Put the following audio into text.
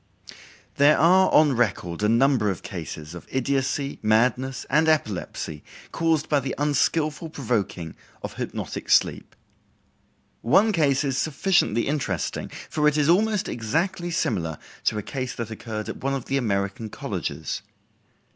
There are on record a number of cases of idiocy, madness, and epilepsy caused by the unskillful provoking of hypnotic sleep. One case is sufficiently interesting, for it is almost exactly similar to a case that occurred at one of the American colleges.